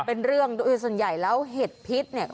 เป็นเรื่องโดยส่วนใหญ่แล้วเห็ดพิษเนี่ย